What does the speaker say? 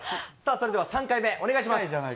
それでは３回目、お願いします。